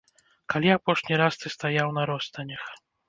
Калі апошні раз ты стаяў на ростанях?